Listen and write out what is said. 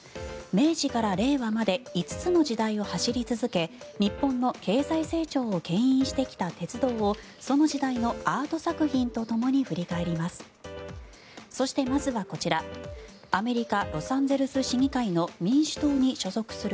明治から令和まで５つの時代を走り続け日本の経済成長をけん引してきた鉄道をその時代のアート作品とともに振り返ります。